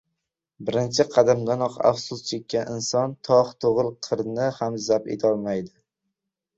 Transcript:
• Birinchi qadamdanoq afsus chekkan inson tog‘ tugul qirni ham zabt etolmaydi.